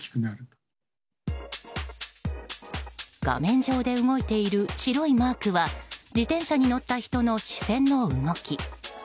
画面上で動いている白いマークは自転車に乗った人の視線の動き。